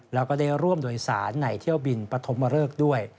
แล้วก็ได้ร่วมโดยสารในเที่ยวบินปฐมเริกด้วย